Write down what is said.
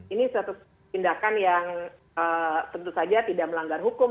ini suatu tindakan yang tentu saja tidak melanggar hukum